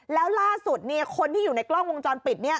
แล้วล่าสุดคนที่อยู่ในกล้องวงจรปิดเนี่ย